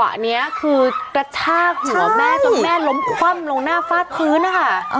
แม่กุญแต่จังหวะเนี่ยคือกระชากหัวแม่จนแม่ล้มคว่ำลงหน้าฟาดพื้นอะค่ะ